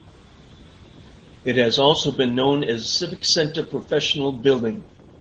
It has also been known as Civic Center Professional Building.